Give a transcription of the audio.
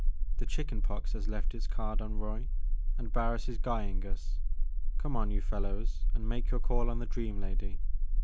The chicken pox has left its card on Roy, and Barris is guying us. Come on, you fellows, and make your call on the dream lady.